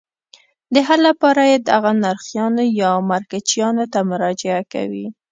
د حل لپاره یې دغو نرخیانو یا مرکچیانو ته مراجعه کوي.